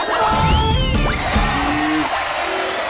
สวัสดีครับ